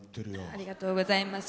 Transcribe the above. ありがとうございます。